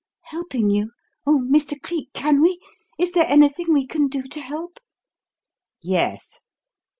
"Helping you? Oh, Mr. Cleek, can we? Is there anything we can do to help?" "Yes.